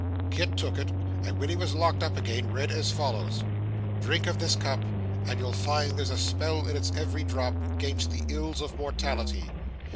Kit took it, and when he was locked up again, read as follows. 'Drink of this cup, you'll find there's a spell in its every drop 'gainst the ills of mortality.